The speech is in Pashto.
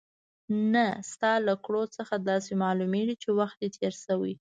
نه، ستا له کړو څخه داسې معلومېږي چې وخت دې تېر شوی.